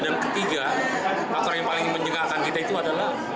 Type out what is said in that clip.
dan ketiga faktor yang paling menjengakkan kita itu adalah